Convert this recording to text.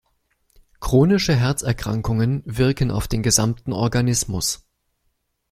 Chronische Herzerkrankungen wirken auf den gesamten Organismus.